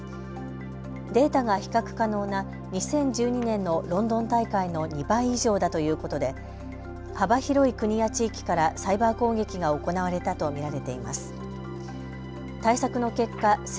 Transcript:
データが比較可能な２０１２年のロンドン大会の２倍以上だということで幅広い国や地域からサイバー攻撃が行われたと見られています。